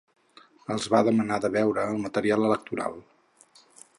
Els va demanar de veure el material electoral.